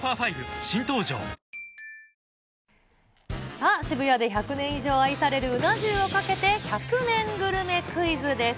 さあ、渋谷で１００年以上愛されるうな重をかけて、１００年グルメクイズです。